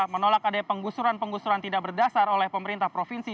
menolak adanya penggusuran penggusuran tidak berdasar oleh pemerintah provinsi